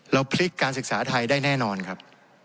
พลิกการศึกษาไทยได้แน่นอนครับ